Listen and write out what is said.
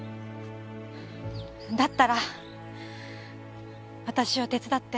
だったら私を手伝って。